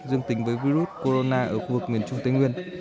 dương tính với virus corona ở khu vực miền trung tây nguyên